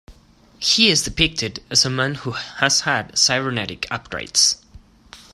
He is depicted as a man who has had cybernetic upgrades.